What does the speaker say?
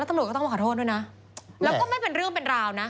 ตำรวจก็ต้องมาขอโทษด้วยนะแล้วก็ไม่เป็นเรื่องเป็นราวนะ